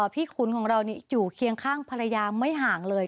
ขุนของเราอยู่เคียงข้างภรรยาไม่ห่างเลย